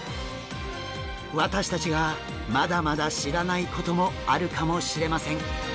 私たちがまだまだ知らないこともあるかもしれません。